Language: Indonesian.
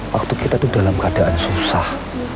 waktu kita itu dalam keadaan susah